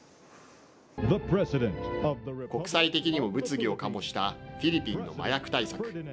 国際的にも物議を醸したフィリピンの麻薬対策。